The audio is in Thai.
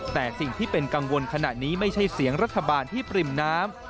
แต่สิ่งที่เป็นกังวลขณะนี้ไม่ใช่เสียงรัฐบาลที่ปริ่มน้ำ